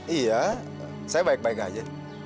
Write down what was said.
iya saya baik baik aja